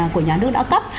của nhà nước đã cấp